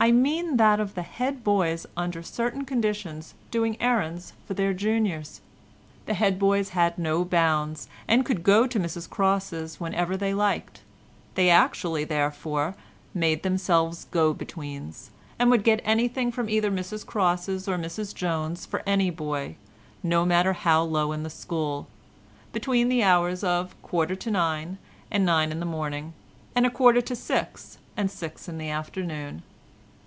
I mean that of the head boys under certain conditions doing errands for their juniors. The head boys had no bounds and could go to Mrs Cross's whenever they liked; they actually, therefore, made themselves go betweens, and would get anything from either Mrs Cross's or Mrs Jones's for any boy, no matter how low in the school, between the hours of a quarter to nine and nine in the morning, and a quarter to six and six in the afternoon.